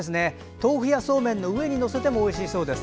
豆腐やそうめんの上に載せてもおいしいそうです。